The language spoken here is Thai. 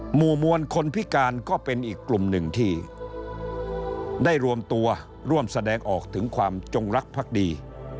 หมู่มวลคนพิการก็เป็นอีกกลุ่มหนึ่งที่ได้รวมตัวร่วมแสดงออกถึงความจงรักภักดี